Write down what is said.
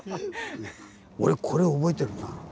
俺これ覚えてるな。